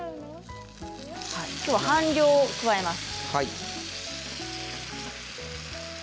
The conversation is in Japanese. きょうは半量加えます。